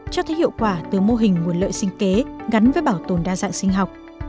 cho thấy hiệu quả từ mô hình nguồn lợi sinh kế gắn với bảo tồn đa dạng sinh học